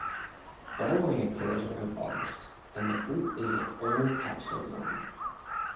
Flowering occurs around August and the fruit is an oval capsule long.